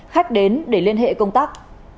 khách đến để liên hệ công tác